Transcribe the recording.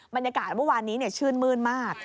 บรรยากาศวันนี้ชื่นมืดมาก